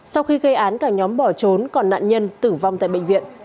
sau khi gây án cả nhóm bỏ trốn còn nạn nhân tử vong tại bệnh viện